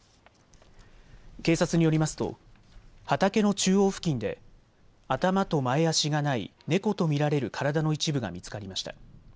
警察によりますと畑の中央付近で頭と前足がない猫とみられる体の一部が見つかりました。